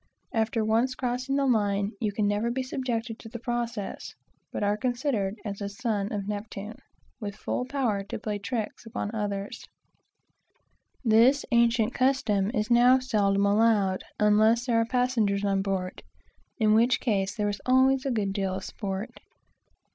After once crossing the line you can never be subjected to the process, but are considered as a son of Neptune, with full powers to play tricks upon others. This ancient custom is now seldom allowed, unless there are passengers on board, in which case there is always a good deal of sport.